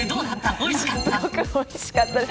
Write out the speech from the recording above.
おいしかったです。